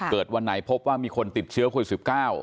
เกิดวันไหนพบว่ามีคนติดเชื้อคุยสิบเก้า